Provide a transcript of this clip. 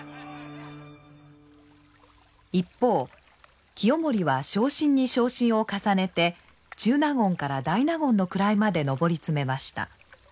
一方清盛は昇進に昇進を重ねて中納言から大納言の位まで上り詰めました。